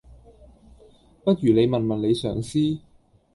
不如你問問你上司?